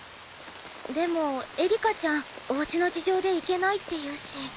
でもエリカちゃんおうちの事情で行けないっていうし。